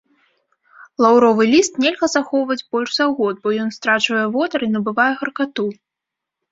Лаўровы ліст нельга захоўваць больш за год, бо ён страчвае водар і набывае гаркату.